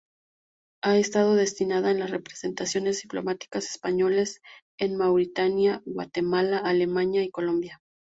Ha estado destinada en las representaciones diplomáticas españolas en Mauritania, Guatemala, Alemania y Colombia.